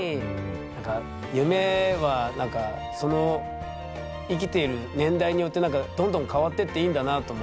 なんか夢はその生きてる年代によってどんどん変わってっていいんだなと思って。